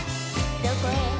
「どこへ」